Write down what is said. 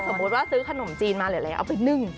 สมมติซึ้อขนมจีนมาเอาไปนึ่ง